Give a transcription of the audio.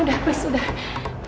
udah please udah